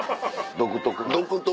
独特？